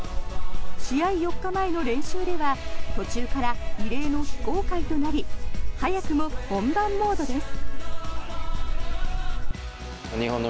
試合４日前の練習では途中から異例の非公開となり早くも本番モードです。